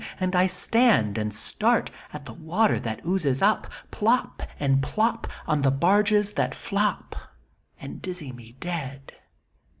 — and I stand, and start, At the water that oozes up, plop and plop, On the barges that flop And dizzy me dead.